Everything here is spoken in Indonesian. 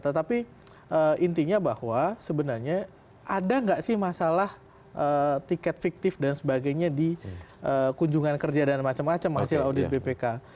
tetapi intinya bahwa sebenarnya ada nggak sih masalah tiket fiktif dan sebagainya di kunjungan kerja dan macam macam hasil audit bpk